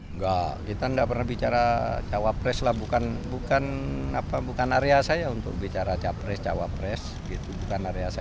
enggak kita enggak pernah bicara cawapres lah bukan area saya untuk bicara cawapres